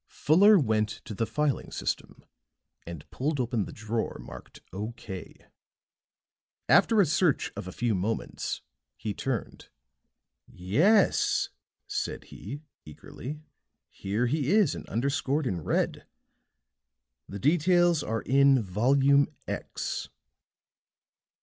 Fuller went to the filing system and pulled open the drawer marked "OK." After a search of a few moments he turned. "Yes," said he, eagerly. "Here he is, and underscored in red. The details are in Volume X."